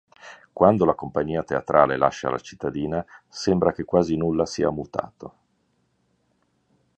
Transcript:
Quando la compagnia teatrale lascia la cittadina, sembra che quasi nulla sia mutato.